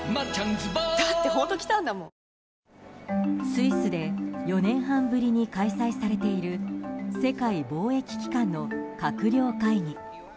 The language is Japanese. スイスで４年半ぶりに開催されている世界貿易機関の閣僚会議。